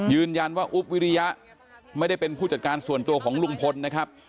ยืนยันว่าอุ๊บวิริยะไม่ได้เป็นผู้จัดการส่วนตัวของลุงพลนะครับ